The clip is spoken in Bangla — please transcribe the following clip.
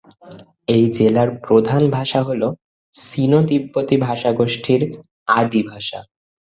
এই জেলার প্রধান ভাষা হল সিনো-তিব্বতি ভাষাগোষ্ঠীর আদি ভাষা।